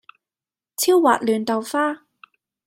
超滑嫩豆花